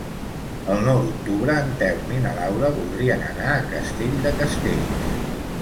El nou d'octubre en Telm i na Laura voldrien anar a Castell de Castells.